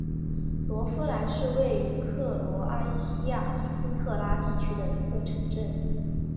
洛夫兰是位于克罗埃西亚伊斯特拉地区的一个城镇。